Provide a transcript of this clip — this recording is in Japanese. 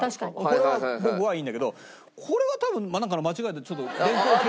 これは僕はいいんだけどこれは多分なんかの間違いでちょっと。